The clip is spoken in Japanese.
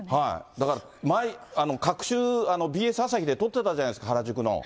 だから、隔週、ＢＳ朝日で撮ってたじゃないですか、原宿の。